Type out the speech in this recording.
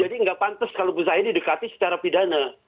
jadi nggak pantas kalau usaha ini di dekati secara pidana